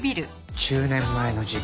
１０年前の事件